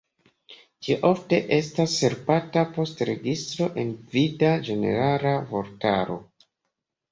Tio ofte estas helpata post registro en gvida ĝenerala vortaro.